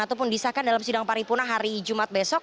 ataupun disahkan dalam sidang paripurna hari jumat besok